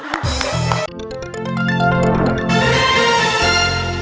โปรดติดตามตอนต่อไป